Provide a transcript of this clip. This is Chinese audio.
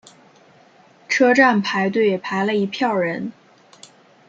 车站排队排了一票人